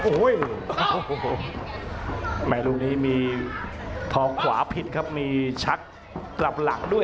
โอ้ยแมมลูกนี่มีท้องขวามิดมีชักกลับหลักด้วย